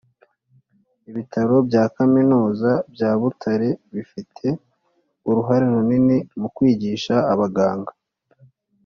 Ibitaro bya Kaminuza bya Butare bifite uruhare runini mu kwigisha abaganga